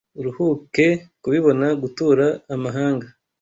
Uruhuke kubibona Gutura amahanga